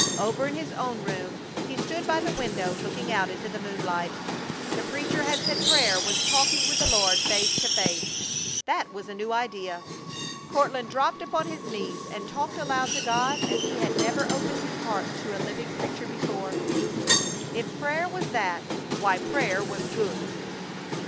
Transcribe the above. Over in his own room he stood by the window, looking out into the moonlight. The preacher had said prayer was talking with the Lord face to face. That was a new idea. Courtland dropped upon his knees and talked aloud to God as he had never opened his heart to living creature before. If prayer was that, why, prayer was good!